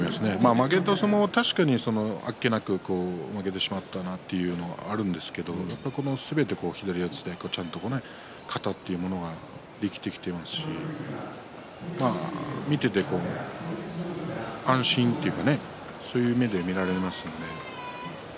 負けた相撲は確かにあっけなく負けてしまったなというのはあるんですけれどすべて左四つでちゃんと型というものができてきていますし見ていて安心というかそういう目で見られますので。